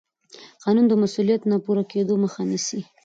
قانون د مسوولیت د نه پوره کېدو مخه نیسي.